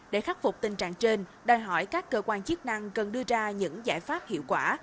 để khắc phục tình trạng trên đòi hỏi các cơ quan chức năng cần đưa ra những giải pháp hiệu quả